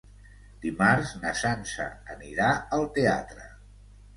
Dimarts na Sança anirà al teatre.